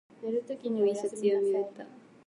本を一冊読み終えた。